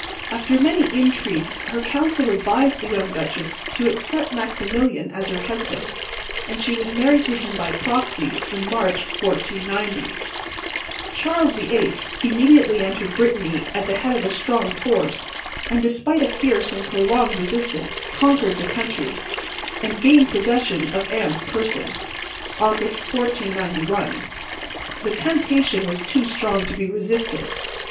After many intrigues her council advised the young duchess to accept Maximilian as her husband, and she was married to him by proxy in March, 1490. Charles VIII immediately entered Brittany at the head of a strong force and, despite a fierce and prolonged resistance, conquered the country, and gained possession of Anne's person (August, 1491). The temptation was too strong to be resisted.